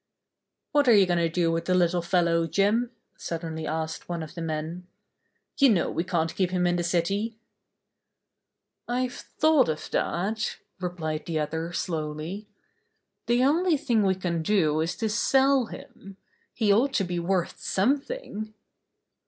"What are you going to do with the little fellow, Jim?" suddenly asked one of the men. "You know we can't keep him in the city." "I've thought of that," replied the other slowly. "The only thing we can do is to sell him. He ought to be worth something."